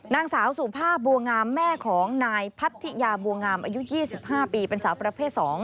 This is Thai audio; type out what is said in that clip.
นางสาวสุภาพบัวงามแม่ของนายพัทยาบัวงามอายุ๒๕ปีเป็นสาวประเภท๒